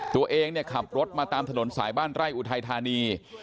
ตัวเองเนี่ยขับรถมาตามถนนสายบ้านไร่อุทัยธานี